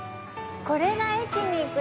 これが駅に行くやつだ。